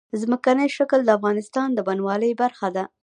ځمکنی شکل د افغانستان د بڼوالۍ برخه ده.